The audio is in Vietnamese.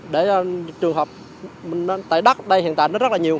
để trường hợp tại đất hiện tại nó rất là nhiều